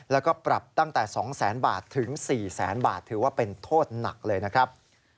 แล้วก็ปรับตั้งแต่๒๐๐๐๐บาทถึง๔แสนบาทถือว่าเป็นโทษหนักเลยนะครับ